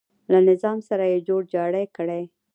له نظام سره یې جوړ جاړی کړی.